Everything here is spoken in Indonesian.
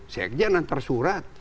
sekjen antar surat